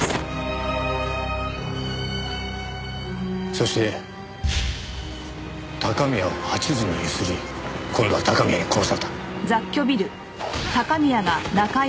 そして高宮を８時に強請り今度は高宮に殺された。